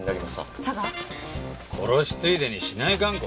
殺しついでに市内観光か？